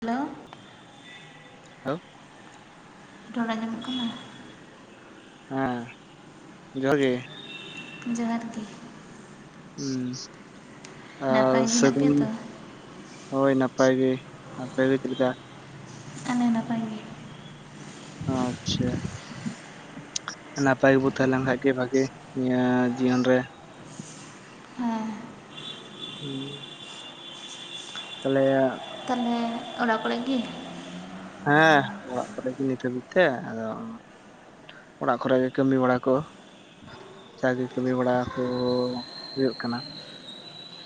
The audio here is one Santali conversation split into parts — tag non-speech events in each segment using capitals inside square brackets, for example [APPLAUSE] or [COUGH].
ᱦᱮᱞᱳ᱾ [UNINTELLIGIBLE] ᱨᱚᱲ ᱟᱡᱚᱢᱚᱜ ᱠᱟᱱᱟ? ᱦᱮᱸ ᱡᱚᱦᱟᱨ ᱜᱮ, ᱡᱚᱦᱟᱨ ᱜᱮ᱾ ᱦᱩᱸ ᱟᱨ ᱱᱟᱯᱟᱭ ᱜᱮ ᱦᱮᱱᱟᱜ ᱯᱮᱭᱟ ᱥᱟᱹᱜᱩᱱ, ᱛᱚ ᱦᱳᱭ ᱱᱟᱯᱟᱭ ᱜᱮ ᱟᱯᱮ ᱜᱮ ᱪᱮᱫ ᱞᱮᱠᱟ? ᱮ ᱱᱟᱯᱟᱭ ᱜᱮ᱾ ᱟᱪᱪᱷᱟ, ᱱᱟᱯᱟᱭ ᱜᱮᱵᱚ ᱛᱟᱦᱮᱸᱞᱮᱱ ᱠᱷᱟᱡ ᱜᱮ ᱵᱷᱟᱜᱮ ᱱᱤᱭᱟᱹ ᱡᱤᱭᱚᱱ ᱨᱮ᱾ ᱦᱮᱸ [INAUDIBLE] ᱛᱟᱞᱮᱟᱜ ᱛᱟᱦᱮᱞᱮ ᱚᱲᱟᱜ ᱠᱚᱨᱮᱜ ᱜᱤ? ᱦᱮᱸ ᱚᱲᱟᱜ ᱠᱚᱨᱮ ᱜᱮ ᱱᱤᱛ ᱦᱟᱹᱵᱤᱡ ᱛᱮ ᱟᱫᱚ, ᱚᱲᱟᱜ ᱠᱚᱨᱮ ᱜᱮ ᱠᱟᱹᱢᱤ ᱵᱟᱲᱟ ᱠᱚ᱾ ᱡᱟ ᱜᱮ ᱠᱟᱹᱢᱤ ᱵᱟᱲᱟ ᱠᱚ ᱦᱳᱭᱳᱜ ᱠᱟᱱᱟ᱾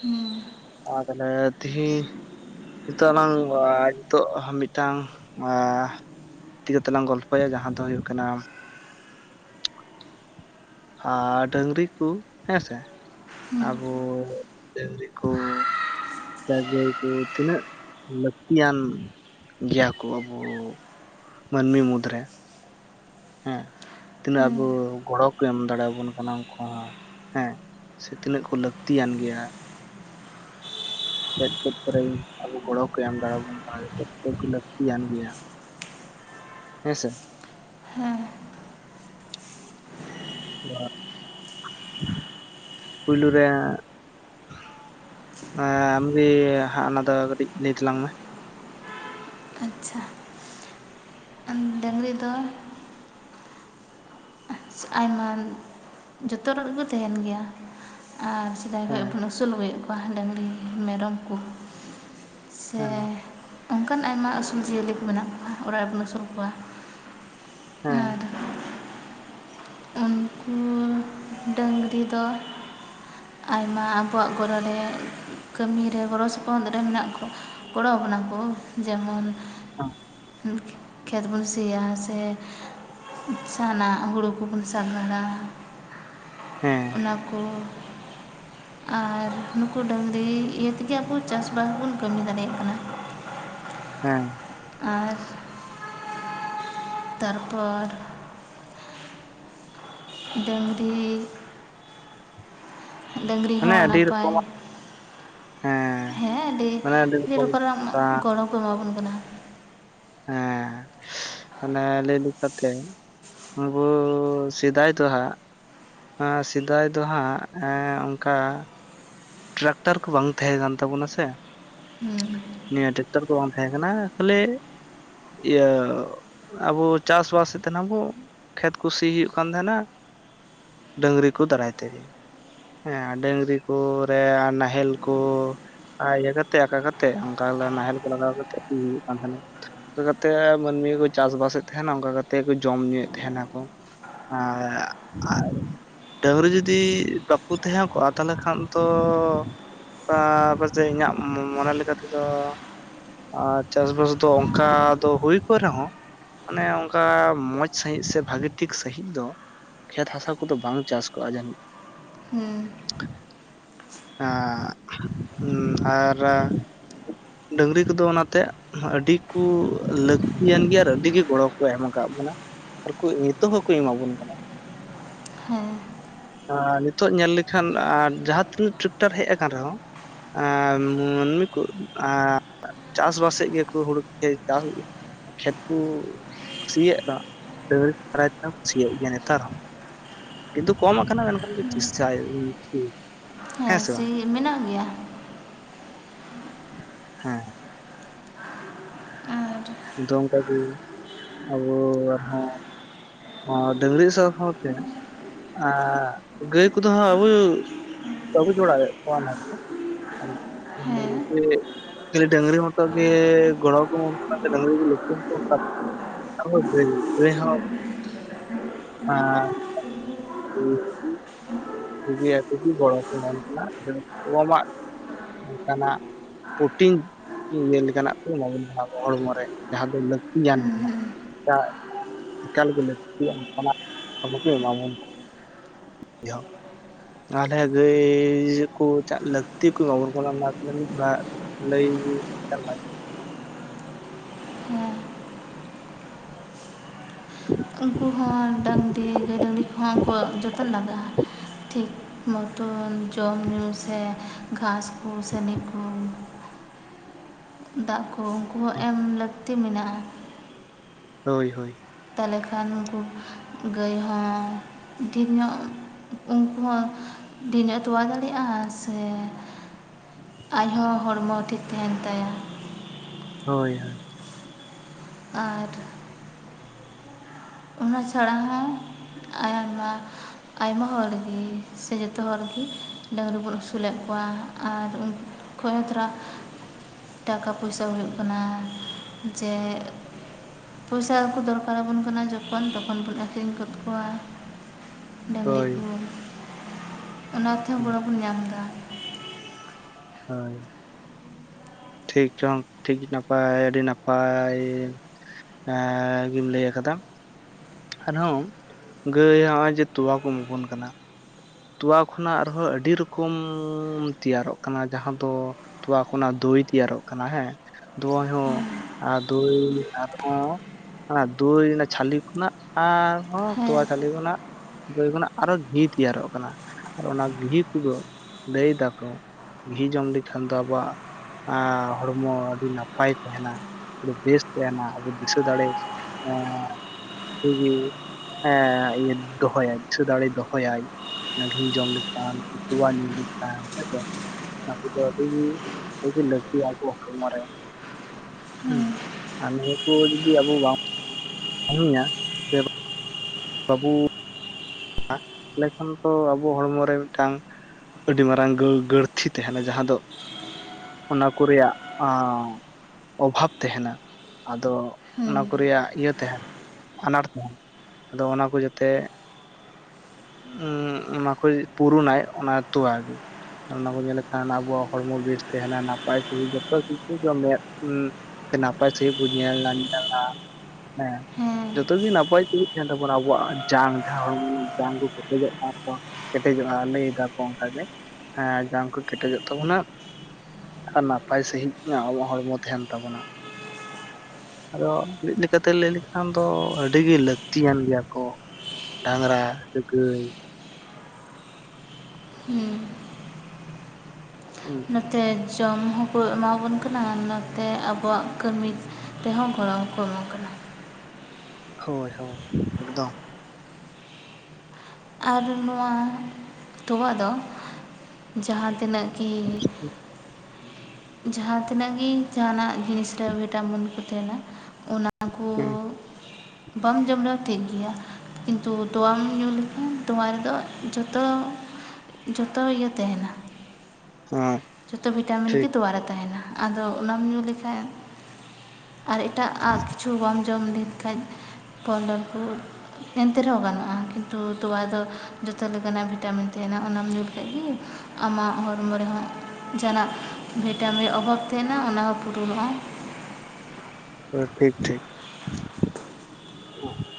ᱦᱩᱸ ᱟ ᱛᱟᱦᱚᱞᱮ ᱛᱤᱦᱤᱧ ᱱᱤᱛᱚᱜ ᱟᱞᱟᱝ [UNINTELLIGIBLE] ᱱᱤᱛᱚᱜ ᱢᱤᱫᱴᱟᱝ ᱟᱻ ᱛᱤᱭᱟᱹ ᱛᱮ ᱞᱟᱝ ᱜᱚᱞᱯᱚᱭᱟ ᱡᱟᱦᱟᱸ ᱫᱚ ᱦᱳᱭᱳᱜ ᱠᱟᱱᱟ ᱟᱨ ᱰᱟᱝᱨᱤ ᱠᱩ ᱦᱮᱸᱥᱮ ᱟᱵᱚ ᱰᱟᱝᱨᱤ ᱠᱚ, [INAUDIBLE] ᱛᱤᱱᱟᱹᱜ ᱞᱟᱹᱠᱛᱤᱭᱟᱱ ᱜᱮᱭᱟ ᱠᱚ ᱟᱵᱚ? ᱢᱟᱹᱱᱢᱤ ᱢᱩᱫᱽ ᱨᱮᱼᱼ ᱦᱮᱸ ᱛᱤᱱᱟᱹᱜ ᱟᱵᱚ ᱜᱚᱲᱚ ᱠᱚ ᱮᱢ ᱫᱟᱲᱮ ᱟᱵᱚᱱ ᱠᱟᱱᱟ ᱩᱱᱠᱩ ᱦᱚᱸ ᱦᱮᱸ, ᱥᱮ ᱛᱤᱱᱟᱹᱜ ᱠᱚ ᱞᱟᱹᱠᱛᱤᱭᱟᱱ ᱜᱮᱭᱟ᱾ ᱪᱮᱫ ᱪᱮᱫ ᱠᱚᱨᱮ ᱟᱵᱚ ᱜᱚᱲᱚ ᱠᱚ ᱮᱢ ᱫᱟᱲᱮ ᱟᱵᱚᱱ ᱠᱟᱱᱟ ᱞᱟᱹᱠᱛᱤᱭᱟᱱ ᱜᱮᱭᱟ᱾ ᱦᱮᱸ ᱥᱮ, ᱯᱩᱭᱞᱩ ᱨᱮᱼᱼ ᱟᱢᱜᱮ ᱦᱟᱜ ᱚᱱᱟ ᱫᱚ ᱠᱟᱹᱴᱤᱡ ᱞᱟᱹᱭ ᱛᱟᱞᱟᱝ ᱢᱮ, ᱟᱪᱪᱷᱟ ᱰᱟᱹᱝᱨᱤ ᱫᱚ? ᱟᱭᱢᱟ ᱡᱚᱛᱚ ᱨᱮᱱ ᱜᱮᱠᱚ ᱛᱟᱦᱮᱱ ᱜᱮᱭᱟ ᱟᱨ ᱥᱮᱫᱟᱭ ᱠᱷᱚᱱ ᱦᱮᱸ ᱵᱚ ᱟᱹᱥᱩᱞᱼᱼ ᱟᱹᱥᱩᱞ ᱦᱩᱭᱩᱜ ᱠᱚᱣᱟ ᱰᱟᱝᱨᱤ ᱢᱮᱨᱚᱢ ᱠᱚ ᱥᱮᱼᱼ ᱦᱮᱸ ᱚᱱᱠᱟᱱ ᱟᱭᱢᱟ ᱟᱹᱥᱩᱞ ᱡᱤᱭᱟᱹᱞᱤ ᱠᱚ ᱢᱮᱱᱟᱜ ᱠᱚᱣᱟ ᱚᱲᱟᱜ ᱨᱮᱵᱚᱱ ᱟᱹᱥᱩᱞ ᱠᱚᱣᱟ ᱦᱮᱸ ᱟᱨᱼᱼ ᱩᱱᱠᱩ ᱰᱟᱹᱝᱨᱤ ᱫᱚᱼᱼ ᱟᱭᱢᱟ ᱟᱵᱚᱣᱟᱜ ᱜᱚᱲᱚ ᱨᱮ ᱠᱟᱹᱢᱤᱨᱮ ᱜᱚᱲᱚ ᱥᱚᱯᱚᱦᱚᱫ ᱨᱮ ᱢᱮᱱᱟᱜ ᱠᱚᱣᱟ᱾ ᱜᱚᱲᱚᱣᱟᱵᱚᱱ ᱟᱠᱚ ᱡᱮᱢᱚᱱᱼᱼ ᱠᱷᱮᱛ ᱵᱚᱱ ᱥᱤᱭᱟ ᱥᱮᱼᱼ ᱡᱟᱦᱟᱱᱟᱜ ᱦᱩᱲᱩ ᱠᱚᱵᱚᱱ ᱥᱟᱜᱟᱲᱟ ᱾ ᱦᱮᱸ ᱚᱱᱟ ᱠᱚ, ᱟᱨ ᱱᱩᱠᱩ ᱰᱟᱝᱨᱤ ᱤᱭᱟᱹ ᱛᱮᱜᱮ ᱟᱵᱚ ᱪᱟᱥᱵᱟᱥ ᱵᱚᱱ ᱠᱟᱹᱢᱤ ᱫᱟᱲᱮᱭᱟᱜ ᱠᱟᱱᱟ᱾ ᱦᱮᱸ ᱟᱨᱼᱼ ᱛᱟᱨᱯᱚᱨᱼᱼ ᱰᱟᱹᱝᱨᱤᱼᱼ ᱰᱟᱹᱝᱨᱤ ᱢᱟᱱᱮ ᱦᱚᱸ ᱟᱹᱰᱤ ᱱᱟᱯᱟᱭᱼᱼ ᱨᱚᱠᱚᱢᱟᱜ ᱦᱮᱸ ᱟᱹᱰᱤ ᱢᱟᱱᱮ ᱟᱹᱰᱤ ᱨᱚᱠᱚᱢ ᱨᱚᱠᱚᱢᱨᱮ ᱜᱚᱲᱚ ᱠᱚ ᱮᱢᱟᱵᱚᱱ ᱠᱟᱱᱟ᱾ ᱦᱮᱸ ᱢᱟᱱᱮ ᱞᱟᱹᱭ ᱞᱮᱠᱟᱛᱮ ᱟᱵᱩ ᱥᱮᱫᱟᱭ ᱫᱚᱦᱟᱸᱜ, ᱥᱮᱫᱟᱭ ᱫᱚ ᱦᱟᱸᱜ ᱮᱸ ᱚᱱᱠᱟᱼᱼ ᱴᱨᱟᱠᱴᱟᱨ ᱠᱚ ᱵᱟᱝ ᱛᱟᱦᱮᱸ ᱠᱟᱱ ᱛᱟᱵᱚᱱᱟ ᱥᱮ, ᱦᱮᱸ ᱱᱤᱭᱟᱹ ᱴᱨᱟᱠᱴᱚᱨ ᱫᱚ ᱵᱟᱝ ᱛᱟᱦᱮᱸ ᱠᱟᱱᱟ ᱠᱷᱟᱞᱤ ᱤᱭᱟᱹᱻ ᱟᱵᱚ ᱪᱟᱥᱵᱟᱥᱮᱫ ᱛᱟᱦᱮᱱᱟ ᱵᱚ ᱠᱷᱮᱛ ᱠᱩ ᱥᱤ ᱦᱩᱭᱩᱜ ᱠᱟᱱ ᱛᱟᱦᱮᱱᱟ᱾ ᱰᱟᱹᱝᱨᱤ ᱠᱚ ᱫᱟᱨᱟᱭ ᱛᱮᱜᱮ ᱦᱮᱸ ᱰᱟᱹᱝᱨᱤ ᱠᱚ᱾ ᱥᱮ ᱱᱟᱦᱮᱞ ᱠᱚ᱾ ᱟᱨ ᱤᱭᱟᱹ ᱠᱟᱛᱮ ᱟᱠᱟ ᱠᱟᱛᱮ ᱚᱱᱠᱟ ᱱᱟᱦᱮᱞ ᱠᱚ ᱞᱟᱜᱟᱣ ᱠᱟᱛᱮᱫ ᱦᱩᱭᱩᱜ ᱠᱟᱱ ᱛᱟᱦᱮᱸᱱᱟ᱾ ᱚᱱᱠᱟ ᱠᱟᱛᱮᱫ ᱢᱟᱹᱱᱢᱤ ᱠᱚ ᱪᱟᱥᱵᱟᱥᱮᱫ ᱛᱟᱦᱮᱱᱟ ᱚᱱᱠᱟ ᱠᱟᱛᱮᱫ ᱠᱚ ᱡᱚᱢ ᱧᱩᱭᱮᱫ ᱛᱟᱦᱮᱱᱟᱠᱚ᱾ ᱟᱨ ᱟᱨ ᱰᱟᱹᱝᱨᱤ ᱡᱩᱫᱤ ᱵᱟᱠᱚ ᱛᱟᱦᱮᱸ ᱠᱚᱜᱼᱟ ᱛᱟᱦᱚᱞᱮ ᱠᱷᱟᱱᱼᱼ ᱛᱚ ᱯᱟ ᱯᱟᱪᱮᱫ ᱤᱧᱟᱹᱜ ᱢᱚᱱᱮ ᱞᱮᱠᱟ ᱛᱮᱫᱚᱼᱼ ᱟᱨ ᱪᱟᱥᱵᱟᱥ ᱫᱚ ᱚᱱᱠᱟ ᱫᱚ ᱦᱩᱭ ᱠᱚᱜ ᱨᱮᱦᱚᱸ, ᱢᱟᱱᱮ ᱚᱱᱠᱟ ᱢᱚᱸᱡᱽ ᱥᱟᱺᱦᱤᱡ ᱥᱮ ᱵᱷᱟᱜᱤ ᱴᱷᱤᱠ ᱥᱟᱺᱦᱤᱡ ᱫᱚ ᱾ ᱠᱷᱮᱛ ᱦᱟᱥᱟ ᱠᱚᱫᱚ ᱵᱟᱝ ᱪᱟᱥ ᱠᱚᱜᱼᱟ ᱡᱟᱹᱱᱤᱡ᱾ ᱦᱩᱸ ᱟᱨ [INAUDIBLE] ᱰᱟᱹᱝᱨᱤ ᱠᱚᱫᱚ ᱚᱱᱟᱛᱮ, ᱟᱹᱰᱤ ᱠᱩ ᱞᱟᱹᱠᱛᱤᱭᱟᱱ ᱜᱮᱭᱟ ᱟᱨ ᱟᱹᱰᱤᱜᱮ ᱜᱚᱲᱚ ᱠᱚ ᱮᱢ ᱟᱠᱟᱫ ᱵᱚᱱᱟ᱾ ᱟᱨ ᱠᱚ ᱱᱤᱛᱚᱜ ᱦᱚᱸᱠᱚ ᱮᱢᱟᱵᱚᱱ ᱠᱟᱱᱟ᱾ ᱦᱮᱸ ᱟᱨ ᱱᱤᱛᱚᱜ ᱧᱮᱞ ᱞᱮᱠᱷᱟᱱ, ᱟᱸᱻ, ᱡᱟᱦᱟᱸ ᱛᱤᱱᱟᱹᱜ ᱴᱨᱟᱠᱴᱟᱨ ᱦᱮᱡ ᱟᱠᱟᱱ ᱨᱮᱦᱚᱸᱼᱼ ᱮᱸᱻ ᱢᱟᱹᱱᱢᱤ ᱠᱚ? ᱟ, ᱪᱟᱥᱼᱵᱥᱮᱜ ᱜᱮᱭᱟ ᱠᱚ ᱦᱩᱲᱩ [UNINTELLIGIBLE] ᱠᱷᱮᱛ ᱠᱚ, ᱥᱤᱭᱟᱜ [UNINTELLIGIBLE] ᱥᱤᱭᱟᱜ ᱜᱮᱭᱟ ᱱᱮᱛᱟᱨ ᱦᱚᱸᱼᱼ ᱠᱤᱱᱛᱩ ᱠᱚᱢ ᱠᱟᱱᱟ, ᱢᱮᱱᱠᱷᱟᱱ [UNINTELLIGIBLE] ᱱᱩᱸᱠᱩᱼᱼ ᱦᱮᱸ ᱥᱮ, ᱢᱮᱱᱟᱜ ᱜᱮᱭᱟ? ᱦᱮᱸ ᱟᱨ ᱫᱚ ᱚᱱᱠᱟᱜᱮ, ᱟᱵᱚ ᱟᱨᱦᱚᱸᱼᱼ ᱚ, ᱰᱟᱹᱝᱨᱤ ᱥᱟᱶᱼᱥᱟᱶᱛᱮ? ᱟ, ᱜᱟᱹᱭ ᱠᱚᱫᱚ ᱦᱟᱸᱜ [UNINTELLIGIBLE] ᱼᱼ ᱦᱮᱸ [UNINTELLIGIBLE] ᱰᱟᱸᱝᱨᱤ ᱢᱚᱛᱚ ᱜᱮ ᱜᱚᱲ ᱠᱚᱼᱼ [UNINTELLIGIBLE] [UNINTELLIGIBLE] [UNINTELLIGIBLE] ᱛᱚ ᱟᱢᱟᱜᱼᱼ ᱚᱱᱠᱟᱱᱟᱜ, ᱯᱨᱚᱴᱤᱱ, ᱧᱮᱞ ᱞᱮᱠᱟᱱᱟᱜ ᱠᱚ ᱚᱢᱟᱵᱚᱱ ᱠᱟᱱᱟᱼᱼ ᱦᱚᱲᱢᱚ ᱨᱮ, ᱡᱟᱦᱟ ᱫᱚ ᱞᱟᱹᱠᱛᱤᱭᱟᱱ ᱜᱮᱭᱟ᱾ ᱮᱠᱟᱞ ᱞᱟᱠᱛᱤᱭᱟᱜᱼᱟ [UNINTELLIGIBLE] ᱮᱢᱟᱵᱚᱱᱼᱼ ᱡᱚ ᱟᱞᱮ ᱜᱟᱹᱭ, ᱠᱚ ᱪᱟᱜ ᱞᱟᱹᱠᱛᱤ ᱠᱚ ᱮᱢᱟᱵᱚᱱ ᱠᱟᱱᱟ [UNINTELLIGIBLE] ᱾ ᱞᱟᱹᱭ [UNINTELLIGIBLE] ᱦᱮᱸ ᱩᱱᱠᱩ ᱦᱚᱸ, ᱰᱟᱝᱨᱤ, [UNINTELLIGIBLE] ᱡᱚᱛᱚᱱ ᱞᱟᱜᱟᱜᱼᱟ᱾ [UNINTELLIGIBLE] ᱡᱚᱢ ᱧᱩ ᱥᱮ, ᱜᱷᱟᱥ ᱠᱚ ᱥᱮ, ᱱᱤ ᱠᱚ᱾ ᱫᱟᱜ ᱠᱚ ᱩᱱᱠᱩ ᱦᱚᱸ ᱮᱢ ᱞᱟᱹᱠᱛᱤ ᱢᱮᱱᱟᱜᱼᱟ᱾ ᱦᱳᱭ ᱦᱳᱭ ᱛᱟᱦᱞᱮ ᱠᱷᱟᱱ ᱩᱱᱠᱩ ᱜᱟᱹᱭ ᱦᱚᱸ, ᱰᱷᱮᱨ ᱧᱚᱜᱼᱼ ᱩᱱᱠᱩ ᱦᱚᱸ, ᱰᱷᱮᱨᱧᱚᱜ ᱛᱚᱣᱟ ᱫᱟᱲᱮᱭᱟᱜᱼᱟ ᱥᱮᱼᱼ ᱟᱡ ᱦᱚᱸ ᱦᱚᱲᱢᱚ ᱴᱷᱤᱠ ᱛᱟᱦᱮᱱ ᱛᱟᱭᱟ᱾ ᱦᱳᱭ ᱦᱳᱭ ᱟᱨ ᱚᱱᱟ ᱪᱷᱟᱲᱟ ᱦᱚᱸ, ᱟᱭᱢᱟ᱾ ᱟᱭᱢᱟ ᱦᱚᱲ ᱜᱮ, ᱥᱮ ᱡᱚᱛᱚ ᱦᱚᱨ ᱜᱮ, ᱰᱟᱹᱝᱨᱤ ᱵᱚᱱ ᱟᱹᱥᱩᱞᱮᱫ ᱠᱚᱣᱟ ᱟᱨ ᱩᱸᱼᱼ ᱠᱷᱚᱭ ᱛᱷᱚᱨᱟ ᱴᱟᱠᱟ ᱯᱩᱭᱥᱟ ᱦᱩᱭᱩᱜ ᱠᱟᱱᱟ, ᱡᱮᱼᱼ ᱯᱚᱭᱥᱟ ᱠᱚ ᱫᱚᱨᱠᱟᱨ ᱟᱵᱚᱱ ᱠᱟᱱᱟ ᱡᱚᱼᱼ ᱡᱚᱠᱷᱚᱱ ᱛᱚᱠᱷᱚᱱ ᱵᱚᱱ ᱟᱹᱠᱷᱨᱤᱧ ᱜᱚᱫ ᱠᱚᱣᱟ, ᱰᱟᱹᱝᱨᱤ ᱦᱳᱭ ᱠᱚ᱾ ᱚᱱᱟ ᱛᱮᱦᱚᱸ ᱜᱚᱲᱚ ᱵᱚᱱ ᱧᱟᱢ ᱮᱫᱟ᱾ ᱦᱳᱭ ᱴᱷᱤᱠ ᱪᱚᱝ, ᱴᱷᱤᱠ ᱱᱟᱯᱟᱭ, ᱟᱹᱰᱤ ᱱᱟᱯᱟᱭ᱾ ᱮᱸ, ᱜᱤᱢ ᱞᱟᱹᱭ ᱠᱟᱫᱟ᱾ ᱠᱟᱨᱚᱱ, ᱜᱟᱹᱭ ᱦᱚᱸᱜᱚᱭ ᱡᱮ ᱛᱚᱣᱟ ᱠᱚ ᱮᱢᱟ ᱵᱚᱱ ᱠᱟᱱᱟ᱾ ᱛᱚᱣᱟ ᱠᱷᱚᱱᱟᱜ ᱨᱮᱦᱚᱸ ᱟᱹᱰᱤ ᱨᱚᱠᱚᱢ, ᱛᱮᱭᱟᱨᱚᱜ ᱠᱟᱱᱟ, ᱡᱟᱦᱟᱸ ᱫᱚᱼᱼ ᱛᱚᱣᱟ ᱠᱷᱚᱱᱟᱜ ᱫᱳᱭ ᱛᱮᱭᱟᱨᱚᱜ ᱠᱟᱱᱟ ᱦᱮᱸ᱾ ᱫᱚᱭ ᱦᱚᱸ ᱟᱨ ᱫᱚᱭ ᱟᱨᱦᱚᱸᱼᱼ ᱚᱱᱟ ᱫᱳᱭ ᱨᱮᱱᱟᱜ ᱪᱷᱟᱹᱞᱮ ᱠᱷᱚᱱᱟᱜ ᱟᱨᱼᱼ ᱦᱚᱸ, ᱦᱮᱸ ᱛᱚᱣᱟ ᱪᱷᱟᱞᱮ ᱠᱷᱚᱱᱟᱜ [INAUDIBLE] ᱟᱨᱦᱚ ᱜᱤᱛ ᱜᱮᱭᱟᱨᱚᱜᱼᱟ ᱾ ᱠᱟᱱᱟ ᱟᱨ ᱚᱱᱟ ᱜᱷᱤ ᱠᱩᱫᱚ ᱞᱟᱹᱭ ᱫᱟᱠᱚ ᱜᱷᱤ ᱡᱚᱢ ᱞᱮᱠᱷᱟᱱ ᱫᱚ ᱟᱵᱚᱣᱟᱜ ᱟᱻ ᱦᱚᱲᱢᱚ ᱟᱹᱰᱤ ᱱᱟᱯᱟᱭ ᱛᱟᱸᱦᱮᱱᱟ [UNINTELLIGIBLE] ᱵᱮᱥ ᱛᱟᱦᱮᱱᱟ ᱟᱹᱰᱤ ᱫᱤᱥᱟᱹ ᱫᱟᱲᱮ ᱮᱸ [INAUDIBLE] ᱮᱸ ᱤᱭᱟᱹ ᱫᱚᱦᱚᱭᱟᱭ ᱫᱤᱥᱟᱹ ᱫᱟᱲᱮ ᱫᱚᱦᱚᱭᱟᱭ᱾ [UNINTELLIGIBLE] ᱡᱚᱢ ᱞᱮᱠᱷᱟᱱ ᱠᱤ ᱛᱚᱣᱟ ᱧᱩ ᱞᱮᱠᱷᱟᱱ ᱛᱟᱭᱛᱚ᱾ ᱱᱟ ᱠᱩᱫᱚ ᱟᱹᱰᱤᱻ ᱟᱹᱰᱤ ᱞᱟᱹᱠᱛᱤᱭᱟᱭ ᱛᱚ ᱦᱚᱲᱢᱚ ᱨᱮ᱾ ᱦᱩ ᱟᱨ ᱱᱤᱭᱟᱹ ᱠᱩ ᱡᱩᱫᱤ ᱟᱵ ᱵᱟᱝ ᱧᱩᱭᱟ᱾ [UNINTELLIGIBLE] [UNINTELLIGIBLE] ᱞᱮᱠᱷᱟᱱ ᱛᱚ ᱟᱵᱚ ᱦᱚᱲᱢᱚ ᱨᱮ ᱢᱤᱫᱴᱟᱝ ᱟᱹᱰᱤ ᱢᱟᱨᱟᱝ ᱜᱟᱹ ᱜᱟᱹᱲᱛᱤᱷᱤ ᱛᱟᱦᱮᱱᱟ ᱡᱟᱸᱦᱟ ᱫᱚ ᱚᱱᱟ ᱠᱚ ᱨᱮᱭᱟᱜ ᱟᱸᱻ ᱚᱵᱷᱟᱵ ᱛᱮᱦᱮᱱᱟ ᱟᱫᱚ ᱦᱮᱸ ᱚᱱᱟ ᱠᱚ ᱨᱮᱭᱟᱜ ᱤᱭᱟᱹ ᱛᱦᱮᱱ ᱟᱱᱟᱴ ᱛᱟᱦᱮᱱ ᱟᱫᱚ ᱚᱱᱟ ᱠᱚ ᱡᱟᱛᱮᱜ ᱩᱸ ᱚᱱᱟᱠᱚᱭ ᱯᱩᱨᱩᱱᱟᱭ ᱚᱱᱟ ᱛᱚᱣᱟ ᱜᱤ᱾ ᱚᱱᱟ ᱠᱚ ᱧᱮᱞ ᱞᱮᱠᱷᱟᱱ ᱟᱵᱚᱣᱟᱜ ᱦᱚᱲᱢᱚ ᱵᱮᱥ ᱛᱮᱦᱮᱱᱟ ᱱᱟᱯᱟᱭ ᱥᱟᱦᱤᱡ ᱡᱚᱛᱚ ᱠᱤᱪᱷᱩ [UNINTELLIGIBLE] ᱢᱮᱫ ᱩᱸ ᱱᱟᱯᱟᱭ ᱥᱟᱺᱦᱤᱡ ᱵᱚᱱ ᱧᱮᱞ ᱟᱱᱴᱟᱜᱼᱟ᱾ ᱦᱮᱸ ᱡᱚᱛᱚ ᱜᱤ ᱱᱟᱯᱟᱭ ᱛᱤᱜᱤ ᱛᱟᱦᱮᱱ ᱛᱟᱵᱚᱱᱟ ᱟᱵᱚᱣᱟᱜ ᱡᱟᱝ ᱡᱟᱦᱟᱸ ᱦᱚᱲᱢ ᱡᱟᱝᱠᱩ ᱠᱮᱴᱮᱡᱚᱜ [UNINTELLIGIBLE] ᱠᱚ ᱠᱮᱴᱮᱡᱚᱜᱼᱟ ᱞᱟᱹᱭ ᱫᱟᱠᱚ ᱚᱱᱠᱟ ᱜᱮ᱾ ᱦᱮᱸ ᱡᱟᱝ ᱠᱩ ᱠᱮᱴᱮᱡᱚᱜ ᱛᱟᱵᱚᱱᱟ᱾ ᱟᱨ ᱱᱟᱯᱟᱭ ᱥᱟᱺᱦᱤᱡ [UNINTELLIGIBLE] ᱟᱵᱚᱣᱟᱜ ᱦᱚᱲᱢᱚ ᱛᱮᱦᱮᱱ ᱛᱟᱵᱚᱱᱟ᱾ ᱟᱫᱚ ᱢᱤᱫ ᱞᱮᱠᱟᱛᱮ ᱞᱟᱹᱭ ᱞᱮᱠᱷᱟᱱ ᱫᱚ ᱟᱹᱰᱤᱜᱤ ᱞᱟᱹᱠᱛᱤᱭᱟᱱ ᱜᱮᱭᱟ ᱠᱚ᱾ ᱰᱟᱝᱨᱟ ᱥᱮ ᱜᱟᱹᱭ᱾ ᱦᱩᱸ ᱩ ᱛᱮ ᱡᱚᱢ ᱦᱚᱸᱠᱚ ᱮᱢᱟᱵᱚᱱ ᱠᱟᱱᱟ ᱟᱨ ᱱᱟᱛᱮ ᱟᱵᱚᱣᱟᱜ ᱠᱟᱹᱢᱤ ᱛᱮᱦᱚᱸ ᱜᱚᱲᱚ ᱠᱚ ᱮᱢᱚᱜ ᱠᱟᱱᱟ᱾ ᱦᱳᱭ ᱦᱳᱭ ᱮᱠᱫᱚᱢ᱾ ᱟᱨ ᱱᱚᱣᱟ ᱛᱚᱣᱟ ᱫᱚ ᱡᱟᱦᱟᱸ ᱛᱤᱱᱟᱹᱜ ᱪᱤ᱾ ᱡᱟᱸᱦᱟᱸ ᱛᱤᱱᱟᱹᱜ ᱜᱤ ᱡᱟᱦᱟᱸᱱᱟᱜ ᱡᱤᱱᱤᱥ ᱨᱮ ᱵᱷᱤᱴᱟᱢᱤᱱ ᱠᱩ ᱛᱮᱦᱮᱱᱟ ᱚᱱᱟᱠᱩ ᱦᱩᱸ ᱵᱟᱢ ᱡᱚᱢ ᱨᱮᱦᱚᱸ ᱴᱷᱤᱠ ᱜᱮᱭᱟ ᱠᱤᱱᱛᱩ ᱛᱳᱣᱟᱢ ᱧᱩ [UNINTELLIGIBLE] ᱛᱳᱣᱟ ᱨᱮᱫᱚ ᱡᱚᱛᱚ ᱡᱚᱛᱚ ᱤᱭᱟᱹ ᱛᱮᱦᱮᱸᱱᱟ᱾ ᱦᱩᱸ ᱡᱚᱛᱚ ᱵᱷᱤᱴᱟᱢᱤᱱ ᱜᱤ ᱛᱳᱣᱟ ᱨᱮ ᱛᱟᱦᱮᱱᱟ ᱟᱫᱚ ᱚᱱᱟᱢ ᱧᱩ ᱞᱮᱠᱷᱟᱡ ᱟᱨ ᱮᱴᱟᱜ ᱟᱜ ᱠᱤᱪᱷᱩ ᱵᱟᱢ ᱡᱚᱢ [UNINTELLIGIBLE] ᱠᱷᱟᱡ ᱯᱷᱚᱞᱰᱚᱞ ᱠᱩ ᱮᱱᱛᱮ ᱨᱮᱦᱚᱸ ᱜᱟᱱᱚᱜᱼᱟ ᱠᱤᱱᱛᱩ ᱛᱳᱣᱟ ᱫᱚ ᱡᱚᱛᱚ ᱞᱮᱠᱟᱱᱟᱜ ᱵᱷᱤᱴᱟᱢᱤᱱ ᱛᱮᱦᱮᱸᱱᱟ ᱚᱱᱟᱢ ᱧᱩ ᱞᱮᱠᱷᱟᱡ ᱜᱤ ᱟᱢᱟᱜ ᱦᱚᱨᱢᱚ ᱨᱮᱦᱚᱸ ᱡᱟᱦᱟᱱᱟᱜ ᱵᱷᱤᱴᱟᱢᱤᱨ ᱚᱵᱷᱟᱵᱽ ᱮᱟᱦᱮᱱᱟ ᱚᱱᱟ ᱦᱚᱸ ᱯᱩᱨᱩᱱᱚᱜᱼᱟ᱾ [UNINTELLIGIBLE] ᱴᱷᱤᱠ ᱴᱷᱤᱠ᱾ [UNINTELLIGIBLE]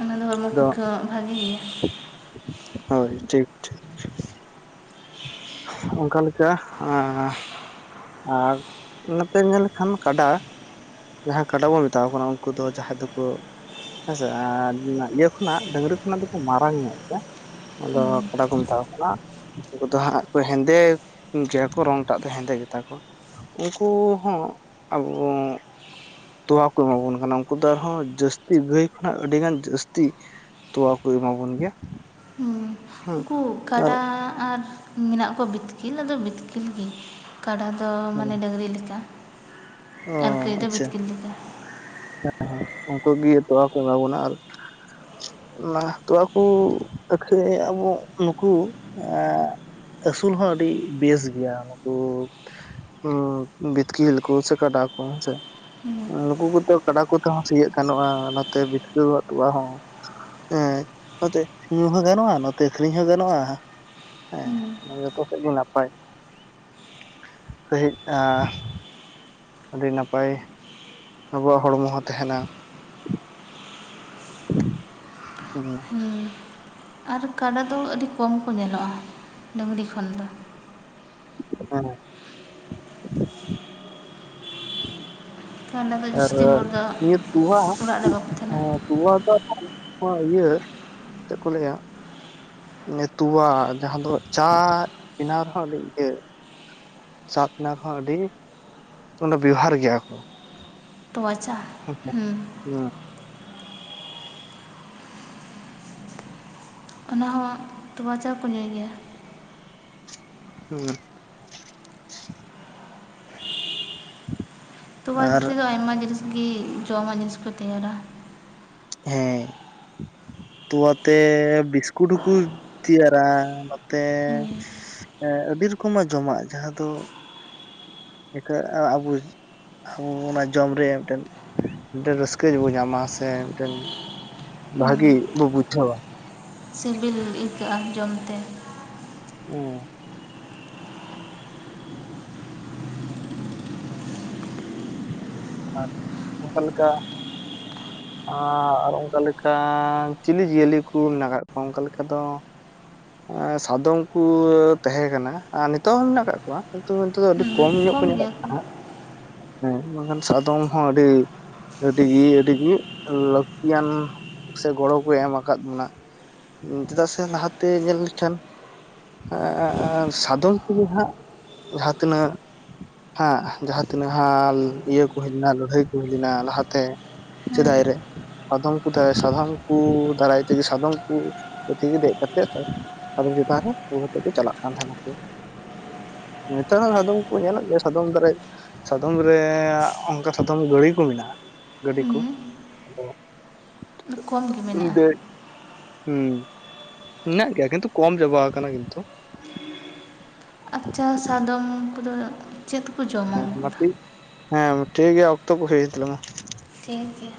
ᱚᱱᱟ ᱫᱚ ᱦᱟᱸᱜ ᱦᱚᱲᱢᱚ ᱟᱫᱚ ᱯᱚᱠᱠᱷᱮ ᱦᱚᱸ ᱵᱷᱟᱜᱤ ᱜᱤᱭᱟ᱾ ᱦᱳᱭ ᱴᱷᱤᱠ ᱴᱷᱤᱠ᱾ ᱚᱱᱠᱟ ᱞᱮᱠᱟ [UNINTELLIGIBLE] ᱟᱨ ᱱᱟᱛᱮ ᱧᱮᱞ ᱞᱮᱠᱷᱟᱱ ᱠᱟᱰᱟ ᱡᱟᱦᱟᱸᱭ ᱠᱟᱰᱟ ᱵᱚᱱ ᱢᱮᱛᱟᱣ ᱟᱠᱚ ᱠᱟᱱᱟ ᱩᱱᱠᱩ ᱫᱚ ᱡᱟᱦᱟᱸᱭ ᱫᱚᱠᱚ ᱦᱮᱸᱥᱮ ᱟᱨ ᱤᱭᱟᱹ ᱠᱷᱚᱱᱟᱜ ᱰᱟᱹᱝᱨᱤ ᱠᱷᱚᱱᱟᱜ ᱫᱚᱠᱚ ᱢᱟᱨᱟᱝ ᱧᱚᱜ ᱜᱤᱭᱟ ᱟᱫᱚ ᱠᱟᱰᱟ ᱠᱚ ᱢᱮᱛᱟᱣᱟᱠᱟᱱᱟ ᱩᱱᱠᱩ ᱠᱚᱫᱚ ᱦᱟᱸᱜ ᱠᱚ ᱦᱮᱸᱫᱮ ᱜᱮᱭᱟ ᱠᱚ ᱨᱚᱝᱴᱟᱜ ᱫᱚ ᱦᱮᱸᱫᱮ ᱜᱮᱛᱟ ᱠᱚ ᱩᱱᱠᱩ ᱦᱚᱸ ᱟᱵᱚ ᱛᱳᱣᱟ ᱠᱚ ᱮᱢᱟ ᱵᱚᱱ ᱠᱟᱱᱟ ᱩᱱᱠᱩ ᱫᱚ ᱟᱨᱦᱚᱸ ᱡᱟᱹᱥᱛᱤ ᱜᱟᱹᱭ ᱠᱷᱚᱱᱟᱜ ᱟᱹᱰᱤ ᱜᱟᱱ ᱡᱟᱹᱥᱛᱤ ᱛᱳᱣᱟ ᱠᱚ ᱮᱢᱟᱵᱚᱱ ᱜᱮᱭᱟ ᱦᱩᱸ ᱦᱮᱸ ᱩᱱᱠᱩ ᱟᱨ ᱠᱟᱰᱟ ᱟᱨ ᱢᱮᱱᱟᱜ ᱠᱚ ᱵᱤᱛᱠᱤᱞ ᱟᱫᱚ ᱵᱤᱛᱠᱤᱞ ᱜᱤ ᱠᱟᱰᱟ ᱫᱚ ᱢᱟᱱᱮ ᱰᱟᱹᱝᱨᱤ ᱞᱮᱠᱟ ᱚ ᱟᱨ ᱜᱟᱹᱭ ᱫᱚ ᱵᱤᱛᱠᱤᱞ ᱞᱤᱠᱟ ᱦᱮᱸ ᱦᱮᱸ ᱩᱱᱠᱩ ᱜᱤ ᱛᱚᱣᱟ ᱠᱚ ᱮᱢᱟ ᱵᱚᱱᱟ ᱟᱨ ᱚᱱᱟ ᱛᱳᱣᱟ ᱠᱩ ᱟᱹᱠᱷᱨᱤᱧ ᱮᱢᱚᱜᱼ ᱱᱩᱠᱩ ᱮ ᱟᱹᱥᱩᱞ ᱦᱚᱸ ᱟᱹᱰᱤ ᱵᱮᱥ ᱜᱤᱭᱟ ᱱᱩᱠᱩ ᱦᱩ ᱵᱤᱛᱠᱤᱞ ᱠᱩ ᱥᱮ ᱠᱟᱰᱟ ᱠᱩ ᱦᱮᱸ ᱥᱮ ᱱᱩᱠᱩ ᱠᱚᱫᱚ ᱠᱟᱰᱟ ᱠᱚᱛᱮ ᱦᱚᱸ ᱥᱤᱭᱟᱹᱜ ᱜᱟᱱᱚᱜᱼᱟ ᱱᱟᱛᱮ ᱵᱤᱛᱠᱟᱹᱣᱟᱜ ᱛᱳᱣᱟ ᱦᱚᱸ ᱦᱮᱸ ᱱᱚᱛᱮ ᱧᱩ ᱦᱚᱸ ᱜᱟᱱᱚᱜᱼᱟ ᱱᱚᱛᱮ ᱟᱹᱠᱷᱨᱤᱧ ᱦᱚᱸ ᱜᱟᱱᱚᱜᱼᱟ ᱦᱩᱸ ᱦᱮᱸ ᱡᱚᱛᱚ ᱥᱮᱫ ᱜᱮ ᱱᱟᱯᱟᱭ ᱥᱟᱺᱦᱤᱡ ᱟ ᱟᱹᱰᱤ ᱱᱟᱯᱟᱭ ᱟᱵᱚᱣᱟᱜ ᱦᱚᱲᱢᱚ ᱦᱚᱸ ᱛᱟᱦᱮᱱᱟ ᱚ ᱦᱩ ᱦᱩᱸ ᱟᱨ ᱠᱟᱰᱟ ᱫᱚ ᱟᱹᱰᱤ ᱠᱚᱢ ᱠᱚ ᱧᱮᱞᱚᱜᱼᱟ ᱰᱟᱹᱝᱨᱤ ᱠᱷᱚᱱ ᱫᱚ ᱚᱠᱟᱨᱮ ᱠᱟᱰᱟ ᱫᱚ ᱟᱨ ᱡᱟᱹᱥᱛᱤ ᱦᱚᱲ ᱫᱚ ᱱᱤᱭᱟᱹ ᱛᱚᱣᱟ ᱚᱲᱟᱜ ᱨᱮ ᱵᱟᱠᱚ ᱚ ᱛᱟᱦᱮᱱᱟ ᱱᱚᱣᱟ ᱫᱚ ᱤᱭᱟᱹ ᱪᱮᱫ ᱠᱚ ᱞᱟᱹᱭᱟ ᱱᱮ ᱛᱚᱣᱟ ᱡᱟᱦᱟᱸ ᱫᱚ ᱪᱟ ᱵᱮᱱᱟᱣ ᱨᱮᱦᱚᱸ ᱟᱹᱰᱤᱴᱮ ᱥᱟᱵ ᱱᱟᱠᱚ ᱟᱹᱰᱤ ᱵᱮᱣᱦᱟᱨ ᱜᱮᱭᱟ ᱠᱚ ᱛᱚᱣᱟ ᱪᱟ ᱦᱩ ᱦᱩᱸ ᱚᱱᱟ ᱦᱚᱸ ᱛᱚᱣᱟ ᱪᱟ ᱠᱚ ᱧᱩᱭ ᱜᱮᱭᱟ ᱦᱩᱭ ᱠᱟᱱᱟ ᱛᱚᱣᱟ ᱛᱮᱫᱚ ᱟᱭᱢᱟ ᱡᱤᱱᱤᱥ ᱜᱮ ᱡᱚᱢᱟᱜ ᱡᱤᱱᱤᱥ ᱠᱚ ᱛᱮᱭᱟᱨᱟ ᱦᱮᱸ ᱛᱚᱣᱟᱛᱮ ᱵᱤᱥᱠᱩᱴ ᱦᱚᱸᱠᱚ ᱛᱮᱭᱟᱨᱟ ᱱᱚᱛᱮ ᱦᱩᱸ ᱦᱮᱸ ᱟᱹᱰᱤ ᱨᱚᱠᱚᱢᱟᱜ ᱡᱚᱢᱟᱜ ᱡᱟᱦᱟᱸ ᱫᱚ ᱤᱠᱷᱟᱹᱱ ᱟᱲᱟᱝ ᱵᱩᱡ ᱟᱵᱚ ᱚᱱᱟ ᱡᱚᱢ ᱨᱮ ᱮᱱᱛᱮ ᱢᱤᱫᱴᱮᱱ ᱨᱟᱹᱥᱠᱟᱹ ᱜᱮᱵᱚ ᱧᱟᱢᱟ ᱥᱮ ᱢᱤᱫᱴᱮᱱ ᱦᱩᱸ ᱵᱷᱟᱜᱤ ᱵᱩ ᱵᱩᱡᱷᱟᱹᱣ ᱟ ᱥᱤᱵᱤᱞ ᱟᱹᱭᱠᱟᱹᱜᱼᱟ ᱡᱚᱢᱛᱮ ᱚ ᱟᱨ ᱚᱠᱟ ᱞᱮᱠᱟ [INAUDIBLE] ᱟᱨ ᱚᱱᱠᱟ ᱞᱮᱠᱟ ᱪᱤᱞᱤ ᱡᱤᱭᱟᱹᱞᱤ ᱠᱚ ᱢᱮᱱᱟᱜ ᱠᱚᱣᱟ ᱚᱱᱠᱟ ᱞᱮᱠᱟ ᱫᱚ ᱚᱱᱠᱟ ᱞᱮᱠᱟ ᱫᱚ ᱥᱟᱫᱚᱢ ᱠᱩ ᱛᱟᱦᱮᱸ ᱠᱟᱱᱟ ᱟᱨ ᱱᱤᱛᱚᱜ ᱦᱚᱸ ᱢᱮᱱᱟᱜ ᱟᱠᱟᱫ ᱠᱚᱣᱟ ᱠᱤᱱᱛᱩ ᱱᱤᱛᱚᱜ ᱫᱚ ᱟᱹᱰᱤ ᱠᱚᱢ ᱧᱚᱜ ᱠᱚ ᱧᱮᱞᱚᱜ ᱠᱟᱱᱟ ᱦᱟᱸᱜ ᱦᱮᱸ ᱵᱟᱝᱠᱷᱟᱱ ᱥᱟᱫᱚᱢ ᱦᱚᱸ ᱟᱹᱰᱤ ᱟᱹᱰᱤᱜᱤ ᱟᱹᱰᱤᱜᱤ ᱞᱟᱹᱠᱛᱤᱭᱟᱱ ᱥᱮ ᱜᱚᱲᱚ ᱠᱚ ᱮᱢ ᱟᱠᱟᱫ ᱵᱚᱱᱟ ᱪᱮᱫᱟᱜ ᱥᱮ ᱞᱟᱦᱟᱛᱮ ᱧᱮᱞ ᱞᱮᱠᱷᱟᱱ ᱟᱜ ᱟᱜ ᱟᱜ ᱥᱟᱫᱚᱢ ᱠᱩ ᱦᱟᱸᱜ ᱡᱟᱦᱟᱸ ᱛᱤᱱᱟᱹᱜ, ᱦᱟᱸᱜ ᱡᱟᱦᱟᱸ ᱛᱤᱱᱟᱹᱜ ᱦᱟᱸᱜ ᱤᱭᱟᱹ ᱠᱚ ᱦᱩᱭ ᱞᱮᱱᱟ ᱞᱟᱹᱲᱦᱟᱹᱭ ᱠᱚ ᱦᱩᱭ ᱞᱮᱱᱟ ᱞᱟᱦᱟᱛᱮ, ᱦᱮᱸ ᱥᱮᱫᱟᱭ ᱨᱮ ᱟᱫᱚᱢ ᱠᱩᱫᱟ ᱥᱟᱫᱚᱢ ᱠᱩ ᱫᱟᱨᱟᱭ ᱛᱮᱜᱮ ᱥᱟᱫᱚᱢ ᱠᱩ, ᱯᱩᱛᱷᱤ ᱜᱮ ᱫᱮᱡ ᱠᱟᱛᱮᱫ ᱥᱟᱫᱚᱢ ᱪᱮᱛᱟᱱ ᱨᱮ ᱤᱭᱟᱹ ᱠᱟᱛᱮᱡ ᱠᱚ ᱪᱟᱞᱟᱜ ᱠᱟᱱ ᱛᱟᱦᱮᱱᱟ ᱠᱚ᱾ ᱱᱮᱛᱟᱨ ᱦᱚᱸ ᱟᱫᱚᱢ ᱠᱚ ᱧᱮᱞᱚᱜ ᱜᱮᱭᱟ ᱥᱟᱫᱚᱢ ᱫᱟᱨᱮᱭ ᱥᱟᱫᱚᱢ ᱨᱮᱭᱟᱜ᱾ ᱚᱱᱠᱟ ᱥᱟᱫᱚᱢ ᱜᱟᱹᱲᱤ ᱠᱚ ᱢᱮᱱᱟᱜᱼᱟ ᱜᱟᱹᱰᱤ ᱠᱚ ᱦᱩᱸ ᱟᱫᱚ, ᱠᱚᱢ ᱜᱮ ᱢᱮᱱᱟᱜᱼᱟ ᱫᱮᱡ ᱦᱩᱸ ᱢᱮᱱᱟᱜ ᱜᱮᱭᱟ ᱠᱤᱱᱛᱩ ᱠᱚᱢ ᱪᱟᱵᱟ ᱥᱠᱟᱱᱟ ᱠᱤᱱᱛᱩ᱾ ᱟᱪᱪᱷᱟ ᱥᱟᱫᱚᱢ ᱠᱚᱫᱚ [UNINTELLIGIBLE] ᱪᱮᱫ ᱠᱚ ᱡᱚᱢ? ᱦᱮᱸ ᱢᱟ ᱴᱷᱤᱠ ᱦᱮᱸ ᱴᱷᱤᱠ ᱜᱮᱭᱟ ᱚᱠᱛᱚ ᱠᱚ ᱦᱩᱭᱮᱱ ᱛᱟᱞᱟᱝᱼᱟ᱾ ᱴᱷᱤᱠ ᱜᱮᱭᱟ᱾